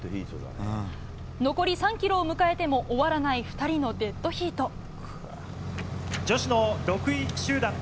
残り３ｋｍを迎えても終わらない２人のデッドヒート。